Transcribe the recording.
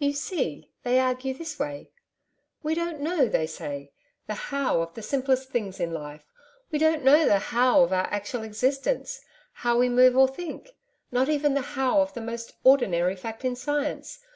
'You see, they argue this way, "We don't know," they say, "the HOW of the simplest things in life, we don't know the HOW of our actual existence how we move or think not even the HOW of the most ordinary fact in science.